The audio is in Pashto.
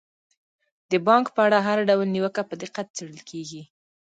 د بانک په اړه هر ډول نیوکه په دقت څیړل کیږي.